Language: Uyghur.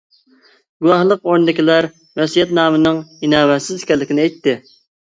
گۇۋاھلىق ئورنىدىكىلەر ۋەسىيەتنامىنىڭ ئىناۋەتسىز ئىكەنلىكىنى ئېيتتى.